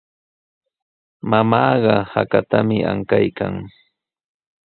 Mamaaqa hakatami ankaykan.